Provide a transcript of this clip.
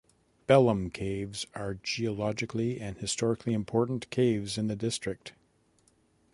Belum Caves are geologically and historically important caves in the district.